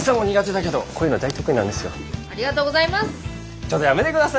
ちょっとやめて下さいよ。